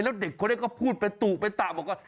แล้วเด็กเค้าเนี่ยก็พูดประตูประตับบอกว่า